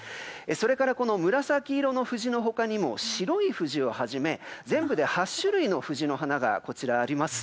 それからこの紫色の藤の他にも白い藤をはじめ全部で８種類の藤の花がこちらにあります。